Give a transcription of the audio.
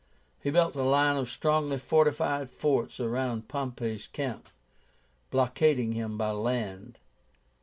He built a line of strongly fortified forts around Pompey's camp, blockading him by land.